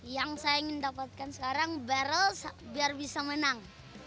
yang saya ingin dapatkan sekarang barrel biar bisa menang